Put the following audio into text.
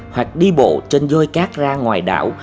hoặc đi bộ trên dôi cát ra ngoài đảo